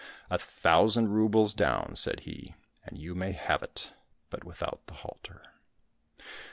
"A thousand roubles down," said he, " and you may have it, but without the halter."